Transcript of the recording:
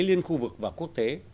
liên khu vực và quốc tế